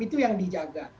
itu yang dijaga